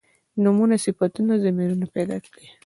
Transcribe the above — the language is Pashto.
نومونه صفتونه او ضمیرونه پیدا کړي.